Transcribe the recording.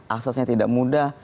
aksesnya tidak mudah